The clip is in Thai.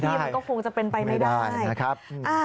มันก็คงจะเป็นไปไม่ได้ไม่ได้นะครับ